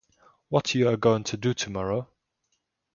What you are going to do tomorrow?